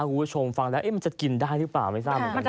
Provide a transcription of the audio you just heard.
คุณผู้ชมฟังแล้วมันจะกินได้หรือเปล่าไม่ทราบเหมือนกันนะ